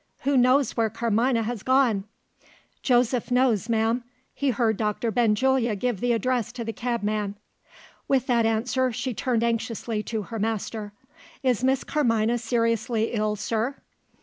Who knows where Carmina has gone?" "Joseph knows, ma'am. He heard Dr. Benjulia give the address to the cabman." With that answer, she turned anxiously to her master. "Is Miss Carmina seriously ill, sir?"